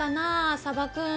サバ君。